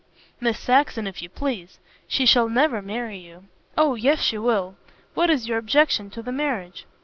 "Miss Saxon, if you please. She shall never marry you." "Oh, yes, she will. What is your objection to the marriage?"